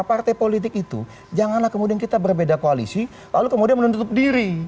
partai politik itu janganlah kemudian kita berbeda koalisi lalu kemudian menutup diri